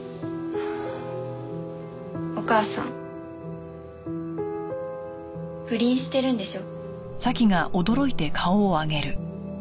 お母さん不倫してるんでしょ？